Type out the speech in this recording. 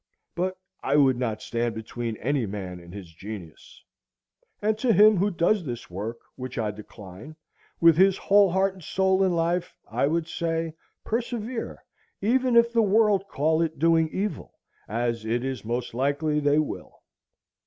But I would not stand between any man and his genius; and to him who does this work, which I decline, with his whole heart and soul and life, I would say, Persevere, even if the world call it doing evil, as it is most likely they will.